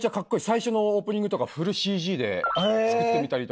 最初のオープニングとかフルＣＧで作ってみたりとかして。